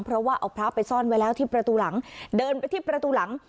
เพราะว่าเอาพระไปซ่อนไว้แล้วที่ประตูหลังเดินไปที่ประตูหลัง